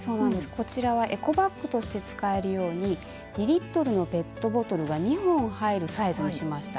こちらはエコバッグとして使えるように２リットルのペットボトルが２本入るサイズにしました。